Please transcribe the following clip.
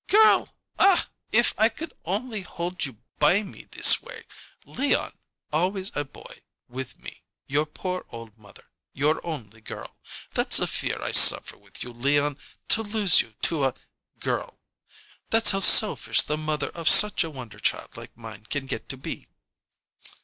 "'Girl'! Ah, if I could only hold you by me this way, Leon. Always a boy with me your poor old mother your only girl. That's a fear I suffer with, Leon to lose you to a girl. That's how selfish the mother of such a wonder child like mine can get to be."